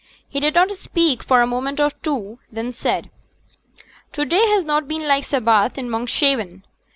He did not speak for a moment or two, then he said, 'To day has not been like Sabbath in Monkshaven.